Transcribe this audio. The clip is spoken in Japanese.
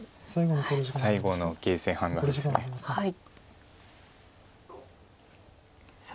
最後の形勢判断です。